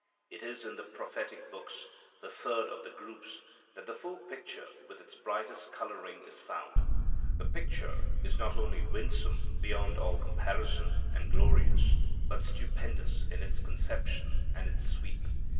It is in the prophetic books, the third of the groups, that the full picture with its brightest coloring is found. The picture is not only winsome beyond all comparison and glorious, but stupendous in its conception and its sweep.